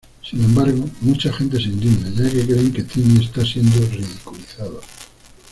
Sin embargo, mucha gente se indigna, ya que creen que Timmy está siendo ridiculizado.